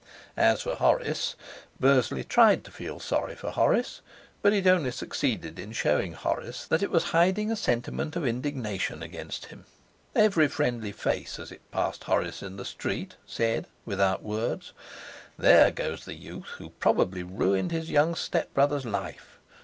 As for Horace, Bursley tried to feel sorry for Horace, but it only succeeded in showing Horace that it was hiding a sentiment of indignation against him. Each friendly face as it passed Horace in the street said, without words, 'There goes the youth who probably ruined his young stepbrother's life.